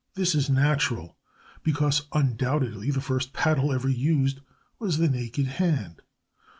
This is natural, because undoubtedly the first paddle ever used was the naked hand.